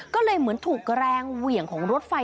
ก็เลยเหมือนถูกแรงเหวี่ยงของรถไฟ